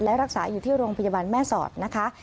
และรักษาอยู่ที่โรงพยาบาลแม่สอดนะคะ